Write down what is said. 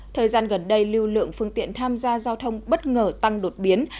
thời gian gần đây lưu lượng phương tiện tham gia giao thông bất ngờ tăng đột biến